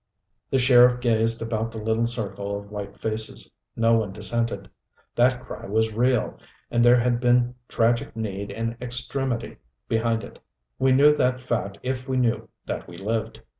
The sheriff gazed about the little circle of white faces. No one dissented. That cry was real, and there had been tragic need and extremity behind it: we knew that fact if we knew that we lived.